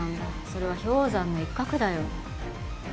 それは氷山の一角だよ